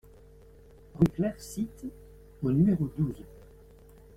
Rue Clair Site au numéro douze